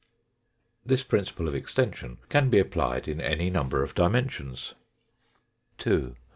This principle of extension can be applied in any number of dimensions. Fig.